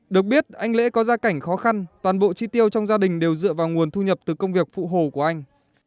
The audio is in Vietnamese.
được biết anh lễ có gia cảnh khó khăn toàn bộ chi tiêu trong gia đình đều dựa vào nguồn thu nhập từ công việc phụ hồ của anh